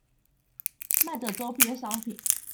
賣的週邊商品